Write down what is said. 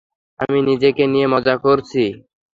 আমি নিজেকে নিয়ে মজা করছি।